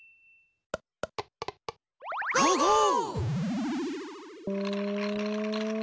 ゴーゴー！